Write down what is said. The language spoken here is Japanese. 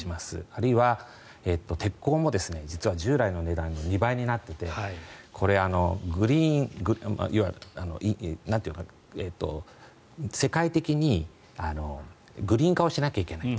あるいは鉄鋼も実は従来の値段の２倍になっていてこれは世界的にグリーン化をしなきゃいけない。